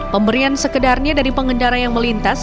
pemberian sekedarnya dari pengendara yang melintas